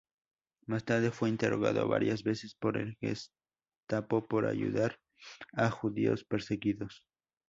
Más tarde fue interrogado varias veces por la Gestapo "por ayudar a judíos perseguidos".